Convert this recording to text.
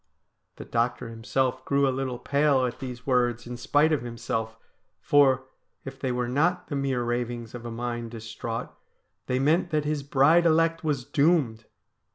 The doctor himself grew a little pale at these words in spite of himself, for, if they were not the mere ravings of a mind distraught, they meant that his bride elect was doomed.